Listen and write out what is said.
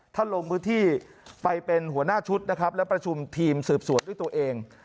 ลงพื้นที่ไปเป็นหัวหน้าชุดนะครับและประชุมทีมสืบสวนด้วยตัวเอง